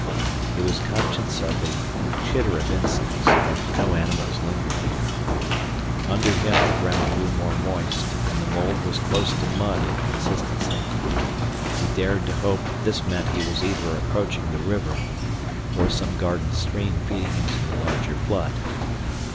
He was conscious of the chitter of insects, but no animals lingered here. Under him the ground grew more moist and the mold was close to mud in consistency. He dared to hope that this meant he was either approaching the river or some garden stream feeding into the larger flood.